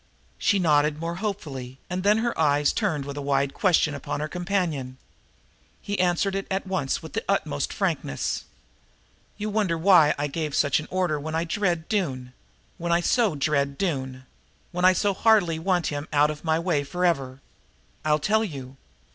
She nodded more hopefully, and then her eyes turned with a wide question upon her companion. He answered it at once with the utmost frankness. "You wonder why I gave such orders when I dread Doone when I so dread Doone when I so heartily want him out of my way forever? I'll tell you.